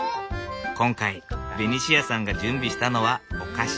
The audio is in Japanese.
今回ベニシアさんが準備したのはお菓子。